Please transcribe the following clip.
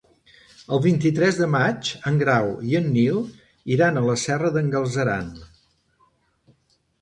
El vint-i-tres de maig en Grau i en Nil iran a la Serra d'en Galceran.